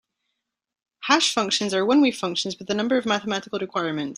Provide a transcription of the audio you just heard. Hash functions are one-way functions with a number of mathematical requirements.